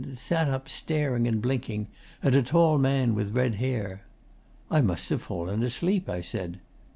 sat up staring and blinking, at a tall man with red hair. "I must have fallen asleep," I said.